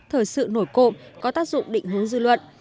thời sự nổi cộng có tác dụng định hướng dư luận